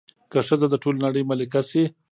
که ښځه د ټولې نړۍ ملکه شي